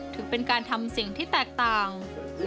ถึงเป็นการทำส่วนต่างแบบที่แตกต่าง